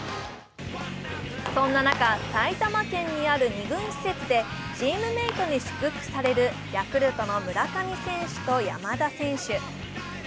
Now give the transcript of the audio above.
そんな中、埼玉県にある２軍施設でチームメートに祝福されるヤクルトの村上選手と山田選手。